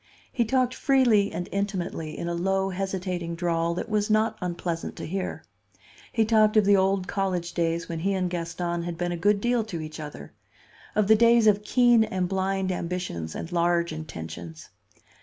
He talked freely and intimately in a low, hesitating drawl that was not unpleasant to hear. He talked of the old college days when he and Gaston had been a good deal to each other; of the days of keen and blind ambitions and large intentions.